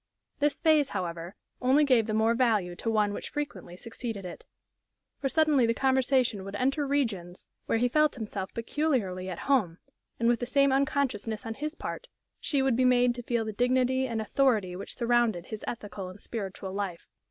This phase, however, only gave the more value to one which frequently succeeded it. For suddenly the conversation would enter regions where he felt himself peculiarly at home, and, with the same unconsciousness on his part, she would be made to feel the dignity and authority which surrounded his ethical and spiritual life.